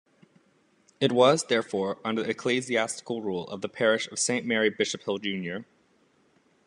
It was, therefore, under the ecclesiastical rule of the Parish of Saint Mary-Bishophill Junior.